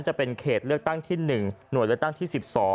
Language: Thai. จะเป็นเขตเลือกตั้งที่๑หน่วยเลือกตั้งที่๑๒